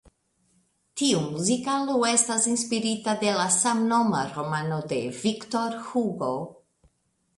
Tiu muzikalo estas inspirita de la samnoma romano de Victor Hugo.